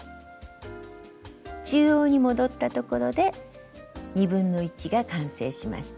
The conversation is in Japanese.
中央に戻ったところで1/2が完成しました。